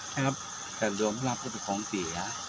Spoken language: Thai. แต่หลวงคือก็เป็นของเสีย